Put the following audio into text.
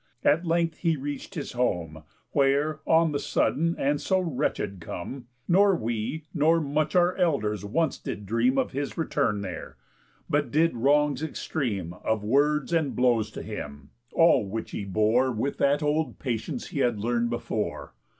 At length he reach'd his home, Where (on the sudden and so wretched come) Nor we nor much our elders once did dream Of his return there, but did wrongs extreme Of words and blows to him; all which he bore With that old patience he had learn'd before.